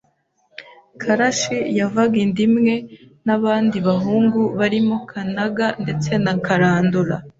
Karashi yavaga inda imwe n’abandi bahungu barimo Kanaga ndetse na Karandura